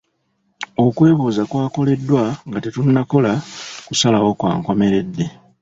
Okwebuuza kwakoleddwa nga tetunnakola kusalawo kwa nkomeredde.